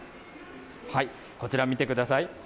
こちら見てください。